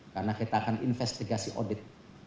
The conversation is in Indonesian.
karena kita akan investigasi audit